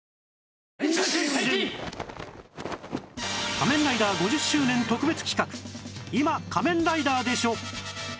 『仮面ライダー』５０周年特別企画「今仮面ライダーでしょ！」